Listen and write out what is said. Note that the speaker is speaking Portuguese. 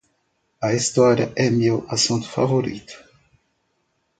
A história é meu assunto favorito.